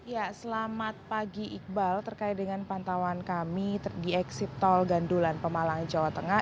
ya selamat pagi iqbal terkait dengan pantauan kami di eksit tol gandulan pemalang jawa tengah